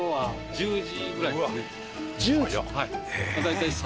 １０時？